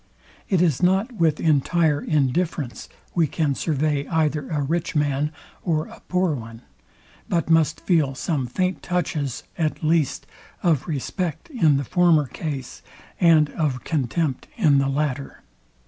It is not with entire indifference we can survey either a rich man or a poor one, but must feel some faint touches at least, of respect in the former case, and of contempt in the latter.